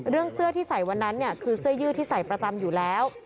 เสื้อที่ใส่วันนั้นคือเสื้อยืดที่ใส่ประจำอยู่แล้ว